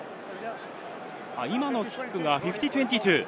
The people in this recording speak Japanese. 今のキックが５０：２２。